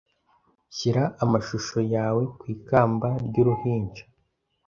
Shyira amashusho yawekw ikamba ryuruhinja